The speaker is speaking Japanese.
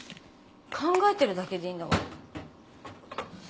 考えてるだけでいいんだから。